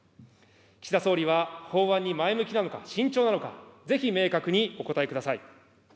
岸田総理は法案に前向きなのか、慎重なのか、ぜひ明確にお答えください。